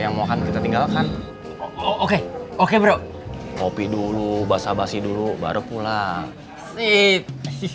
yang mau akan kita tinggalkan oke oke bro kopi dulu basah basi dulu baru pulang sip